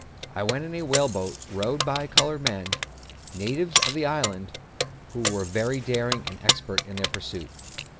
I went in a whale boat rowed by coloured men, natives of the islands, who were very daring and expert in this pursuit.